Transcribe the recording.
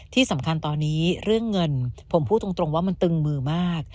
ที่สำคัญตอนนี้เรื่องเงินผมพูดตรงว่ามันตึงมือมาก